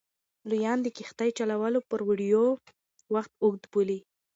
لویان د کښتۍ چلولو پر ویډیو وخت اوږد بولي.